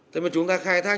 thế mà chúng ta khai thác